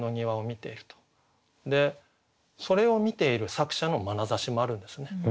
でそれを観ている作者のまなざしもあるんですね。